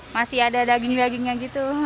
masih ada daging dagingnya gitu